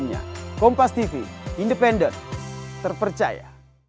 menyangkal bahwa keterlibatan tiga orang ini